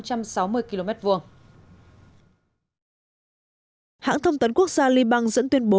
hãng thông tấn quốc gia liban dẫn tuyên bố